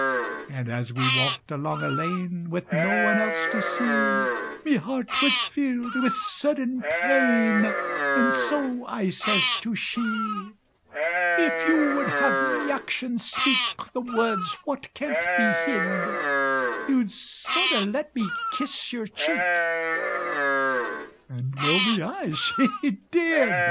And as we walked along a lane With no one else to see, Me heart was filled with sudden pain, And so I says to she: "If you would have me actions speak The words what can't be hid, You'd sort o' let me kiss yer cheek" And, blow me eyes, she did!